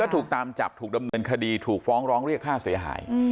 ถูกตามจับถูกดำเนินคดีถูกฟ้องร้องเรียกค่าเสียหาย